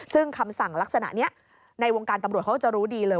ซึ่งคำสั่งลักษณะนี้ในวงการตำรวจเขาจะรู้ดีเลย